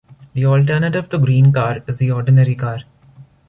The alternative to Green Car is the Ordinary Car.